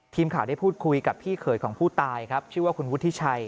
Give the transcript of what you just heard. ทีมข่าวได้พูดคุยกับพี่เขยของผู้ตายครับชื่อว่าคุณวุฒิชัย